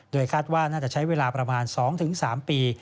คาดว่าน่าจะใช้เวลาประมาณ๒๓ปี